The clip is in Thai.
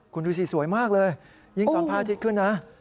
คุณดูสิสวยมากเลยยิ่งตอนพระอาทิตย์ขึ้นนะ